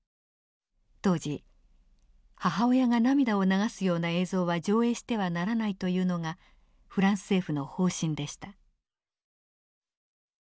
当時母親が涙を流すような映像は上映してはならないというのがフランス政府の方針でした。